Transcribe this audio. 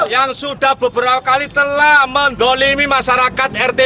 yang sudah beberapa kali telah mendolimi masyarakat rt satu